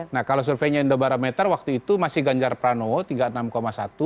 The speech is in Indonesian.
nah kalau surveinya indobarometer waktu itu masih ganjar pranowo tiga puluh enam satu